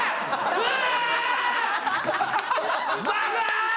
うわ！